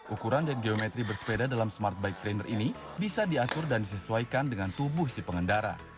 ukuran dan geometri bersepeda dalam smart bike trainer ini bisa diatur dan disesuaikan dengan tubuh si pengendara